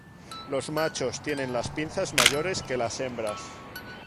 Los machos tienen las pinzas mayores que las hembras.